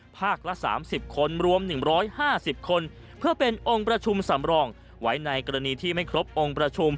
ภาคละ๓๐คนรวม๑๕๐คนเพื่อเป็นองค์ประชุมสำรอง